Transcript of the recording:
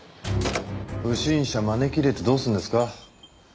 不審者招き入れてどうするんですか？